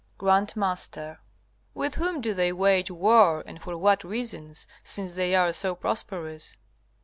G.M. With whom do they wage war, and for what reasons, since they are so prosperous?